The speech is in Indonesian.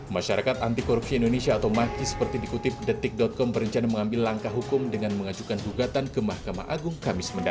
masyarakat anti korupsi indonesia atau maki seperti dikutip detik com berencana mengambil langkah hukum dengan mengajukan gugatan ke mahkamah agung kamis mendatang